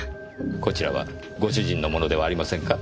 こちらはご主人の物ではありませんか？